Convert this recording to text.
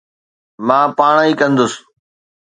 مان پاڻ ئي ڪندس